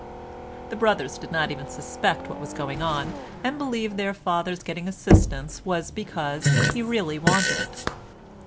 The brothers did not even suspect what was going on and believed their father's getting assistance was because he really wanted it.